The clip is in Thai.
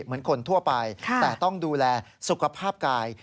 เหมือนคนทั่วไปแต่ต้องดูแลสุขภาพกาย